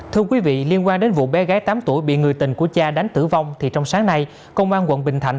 thưa quý vị liên quan đến vụ bé gái tám tuổi bị người tình của cha đánh tử vong thì trong sáng nay công an quận bình thạnh